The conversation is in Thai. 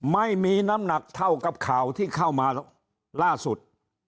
ไม่มีน้ำหนักเท่ากับข่าวที่เข้ามาล่าสุด